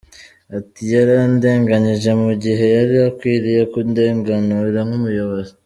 Ati “Yarandenganyije mu gihe yari akwiriye kundenganura nk’umuyobozi.